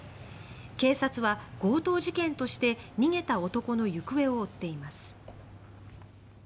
警察は強盗事件として逃げた男の行方を追っています。